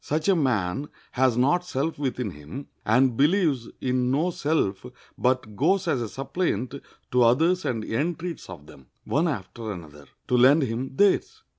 Such a man has not self within him, and believes in no self, but goes as a suppliant to others and entreats of them, one after another, to lend him theirs.